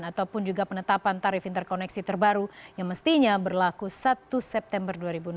ataupun juga penetapan tarif interkoneksi terbaru yang mestinya berlaku satu september dua ribu dua puluh